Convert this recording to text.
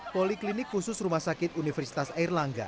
poliklinik khusus rumah sakit universitas airlangga